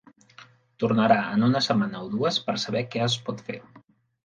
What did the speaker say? Tornarà en una setmana o dues, per saber què es pot fer.